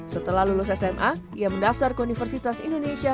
setelah lulus sma ia mendaftar ke universitas indonesia